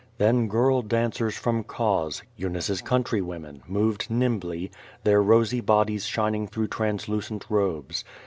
Then girl dancers from Cos, P]unice's countrywomen, moved nimhly, their rosy hodies shining through translucent robes.